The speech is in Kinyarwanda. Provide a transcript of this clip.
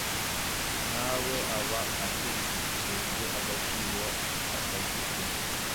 na we aba atesheje agaciro akazi ke,